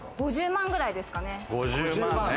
５０万くらいですかね。